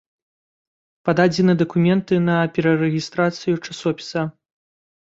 Пададзены дакументы на перарэгістрацыю часопіса.